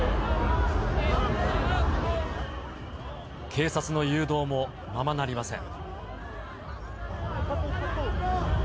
警察の誘導もままなりません。